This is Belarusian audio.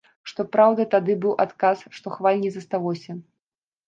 Што праўда, тады быў адказ, што хваль не засталося.